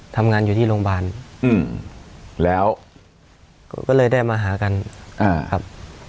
ทำงานอยู่ที่โรงพยาบาลแล้วก็ก็เลยได้มาหากันครับ